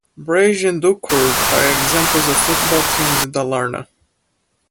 Brage and Dalkurd are examples of football teams in Dalarna.